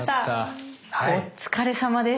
お疲れさまです。